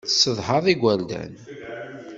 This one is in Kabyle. Tessedhaḍ igerdan.